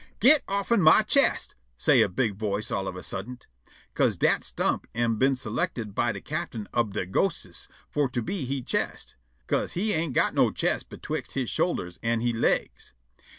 "Git offen my chest!" say' a big voice all on a suddent, 'ca'se dat stump am been selected by de captain ob de ghostes for to be he chest, 'ca'se he ain't got no chest betwixt he shoulders an' he legs.